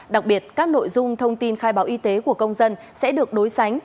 đặc biệt các nội dung thông tin khai báo y tế của công dân sẽ được đối sánh